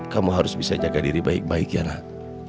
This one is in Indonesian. kamu harus bisa jaga diri baik baik ya rad